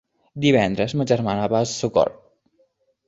Divendres ma germana va a Sogorb.